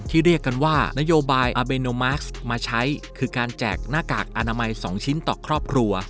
เรียกกันว่านโยบายอาเบโนมาร์คมาใช้คือการแจกหน้ากากอนามัย๒ชิ้นต่อครอบครัว